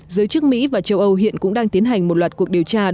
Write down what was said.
giới chức mỹ và châu âu hiện cũng đang tiến hành một loạt cuộc điều tra